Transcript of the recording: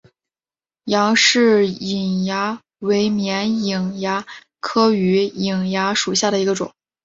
杨氏瘿蚜为绵瘿蚜科榆瘿蚜属下的一个种。